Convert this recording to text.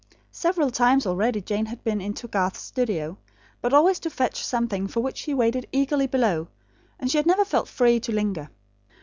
Several times already Jane had been into Garth's studio, but always to fetch something for which he waited eagerly below; and she had never felt free to linger.